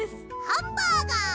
ハンバーガー！